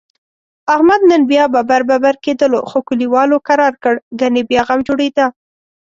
احمد نن بیا ببر ببر کېدلو، خو کلیوالو کرارکړ؛ گني بیا غم جوړیدا.